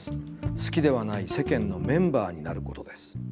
好きではない『世間』のメンバーになることです。